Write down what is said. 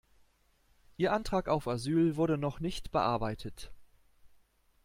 Ihr Antrag auf Asyl wurde noch nicht bearbeitet.